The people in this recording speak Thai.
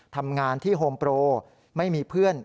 ทำงานที่โฮมโปรไม่มีเพื่อน